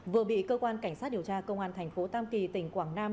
vừa bị cơ quan cảnh sát điều tra công an thành phố tam kỳ tỉnh quảng nam